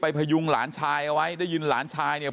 ไปรับศพของเนมมาตั้งบำเพ็ญกุศลที่วัดสิงคูยางอเภอโคกสำโรงนะครับ